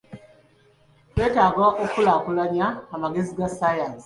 Twetaaga okukulaakulanya amagezi aga ssayansi.